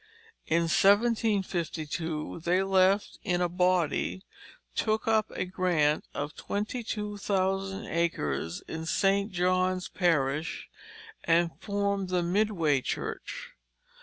In 1752, they left in a body, took up a grant of twenty two thousand acres in St. John's Parish, and formed the Midway Church.